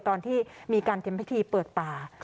ตอนที่มีการเตรียมพิธีเปิดป่า